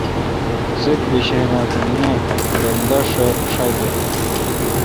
زیدہ بیشین اں کہ نہ ڈم داݭاگیل۔